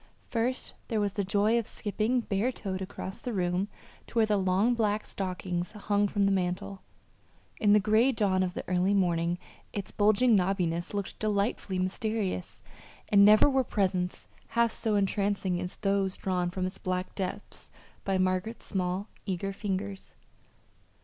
First there was the joy of skipping, bare toed, across the room to where the long black stockings hung from the mantel. In the gray dawn of the early morning its bulging knobbiness looked delightfully mysterious; and never were presents half so entrancing as those drawn from its black depths by Margaret's small eager fingers.